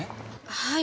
はい。